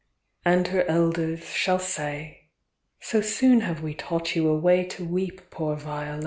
And her elders shall say:— So soon have we taught you a Way to weep, poor Viola!